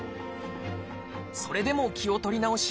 それでも気を取り直し